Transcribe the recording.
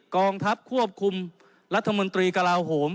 กองทัพควบคุมรัฐมนตรีกระลาโหม